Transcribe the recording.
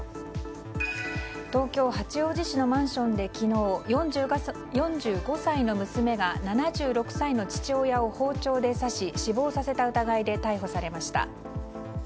東京・八王子市のマンションで昨日４５歳の娘が７６歳の父親を包丁で刺し死亡させた疑いで逮捕されました。